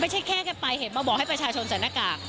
แค่แค่ไปเห็นมาบอกให้ประชาชนใส่หน้ากาก